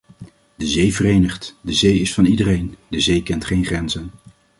De zee verenigt, de zee is van iedereen, de zee kent geen grenzen.